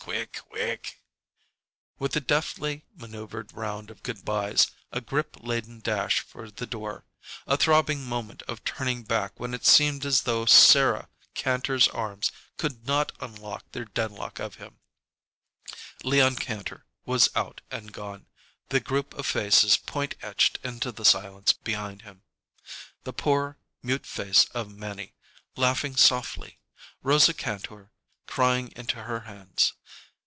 Quick quick " With a deftly manoeuvered round of good bys, a grip laden dash for the door, a throbbing moment of turning back when it seemed as though Sarah Kantor's arms could not unlock their deadlock of him, Leon Kantor was out and gone, the group of faces point etched into the silence behind him. The poor, mute face of Mannie, laughing softly. Rosa Kantor crying into her hands.